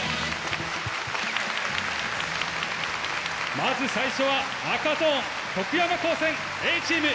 まず最初は赤ゾーン徳山高専Ａチーム。